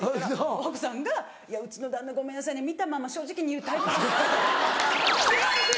奥さんが「いやうちの旦那ごめんなさいね見たまま正直に言うタイプなんです」。